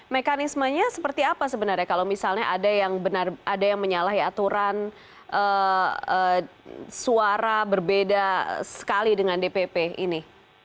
mekanismenya seperti apa sebenarnya kalau misalnya ada yang menyalahi aturan suara berbeda sekali dengan dpp ini